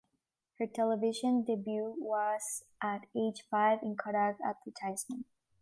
Her television debut was at age five in a Kodak advertisement.